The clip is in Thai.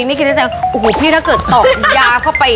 นี่ขิดในใจว่าอูหูพี่ถ้าเกิดต่อยาเข้าไป